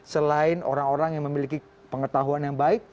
selain orang orang yang memiliki pengetahuan yang baik